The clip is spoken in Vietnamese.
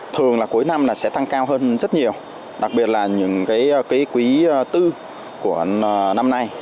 thường là cuối năm là sẽ tăng cao hơn rất nhiều đặc biệt là những cái quý bốn của năm nay